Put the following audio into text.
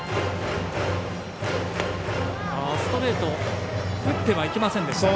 ストレート打ってはいきませんでした。